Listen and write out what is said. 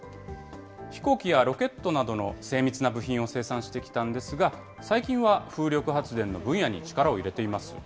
飛行機やロケットなどの精密な部品を生産してきたんですが、最近は風力発電の分野に力を入れています。